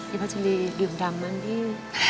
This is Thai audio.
พัชรีดื่มดำมั้งพี่